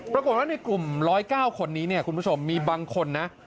ปรากฏว่าในกลุ่ม๑๐๙คนนี้เนี่ยคุณผู้ชมมีบางคนนะ